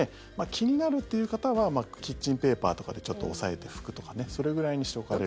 気になるという方はキッチンペーパーとかでちょっと押さえて拭くとかねそれぐらいにしておかれると。